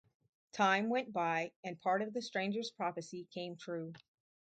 Time went by and part of the stranger's prophecy came true.